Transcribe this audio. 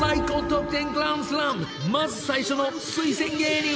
［まず最初の推薦芸人は］